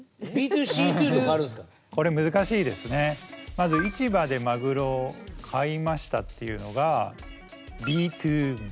まず市場でマグロを買いましたっていうのがＢ２Ｂ。